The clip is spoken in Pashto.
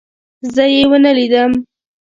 زه يې ونه لیدم.